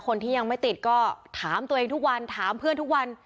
คนที่ยังไม่ติดก็ถามตัวเองทุกวันถามเพื่อนทุกวัน